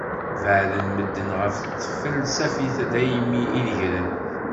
Beɛden medden ɣef tfelsafit daymi i nnegran.